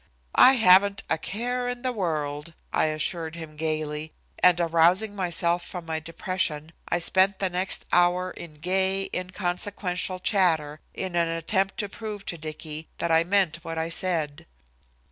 "I haven't a care in the world," I assured him gayly, and arousing myself from my depression I spent the next hour in gay, inconsequential chatter in an attempt to prove to Dicky that I meant what I said.